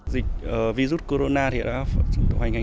dịch virus corona đã phát triển thành hành hình